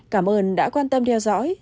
cảm ơn đã quan tâm theo dõi